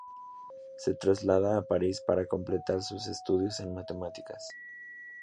Se traslada a París para completar sus estudios en matemáticas.